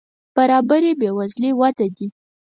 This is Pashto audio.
برابري بې وزلي وده دي.